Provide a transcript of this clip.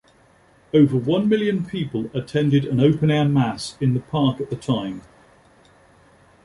Over one million people attended an open-air mass in the park at the time.